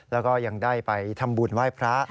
แล้วก็ยังได้ไปทำบุญไหว้พระ